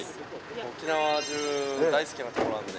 沖縄は大好きな所なんで。